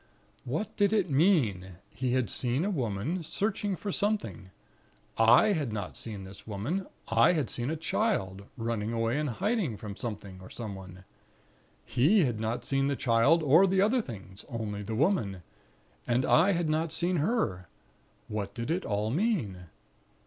"What did it mean? He had seen a Woman, searching for something. I had not seen this Woman. I had seen a Child, running away, and hiding from Something or Someone. He had not seen the Child, or the other things only the Woman. And I had not seen her. What did it all mean?